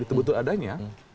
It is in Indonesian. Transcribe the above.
itu betul adanya